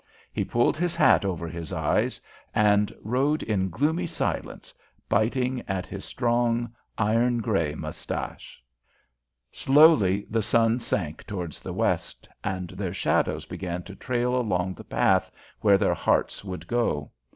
He pulled his hat over his eyes, and rode in gloomy silence, biting at his strong, iron grey moustache. [Illustration: Looking for some landmark p124] Slowly the sun sank towards the west, and their shadows began to trail along the path where their hearts would go.